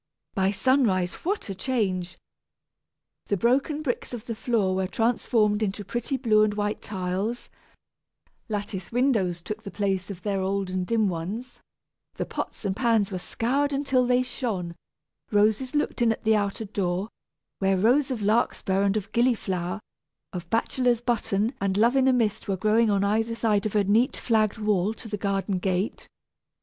By sunrise what a change! The broken bricks of the floor were transformed into pretty blue and white tiles, lattice windows took the place of their old and dim ones, the pots and pans were scoured until they shone, roses looked in at the outer door, where rows of larkspur and of gillyflower, of bachelor's button and "Love in a mist" were growing on either side of a neat flagged walk to the garden gate.